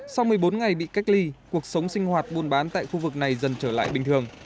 sau một mươi bốn ngày bị cách ly cuộc sống sinh hoạt buôn bán tại khu vực này dần trở lại bình thường